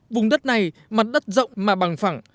vùng đất này mặt đất rộng mà bằng phẳng